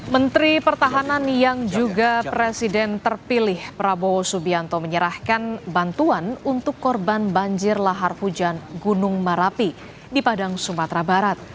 menteri pertahanan yang juga presiden terpilih prabowo subianto menyerahkan bantuan untuk korban banjir lahar hujan gunung merapi di padang sumatera barat